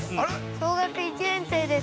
小学１年生です。